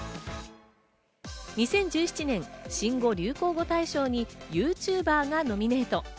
２０１７年、新語・流行語大賞に「ＹｏｕＴｕｂｅｒ」がノミネート。